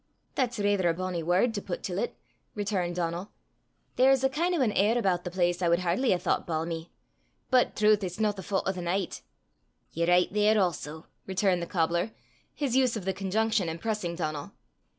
"That's raither a bonnie word to put til 't!" returned Donal. "There's a kin' o' an air aboot the place I wad hardly hae thoucht balmy! But trowth it's no the fau't o' the nicht!" "Ye're richt there also," returned the cobbler his use of the conjunction impressing Donal.